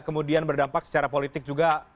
kemudian berdampak secara politik juga